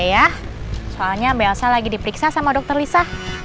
ke kamar aja ya soalnya belsa lagi dipiksa sama dokter lisa